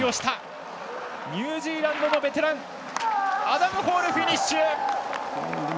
ニュージーランドのベテランアダム・ホール、フィニッシュ。